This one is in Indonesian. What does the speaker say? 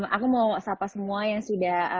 aku mau sapa semua yang sudah